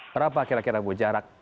berapa kira kira bu jarak